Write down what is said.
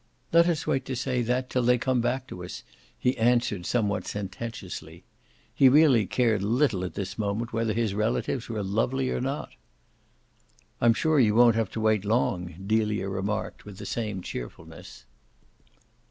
"Let us wait to say that till they come back to us," he answered somewhat sententiously. He really cared little at this moment whether his relatives were lovely or not. "I'm sure you won't have to wait long!" Delia remarked with the same cheerfulness.